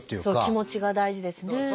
そう気持ちが大事ですね。